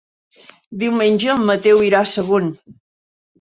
Diumenge en Mateu irà a Sagunt.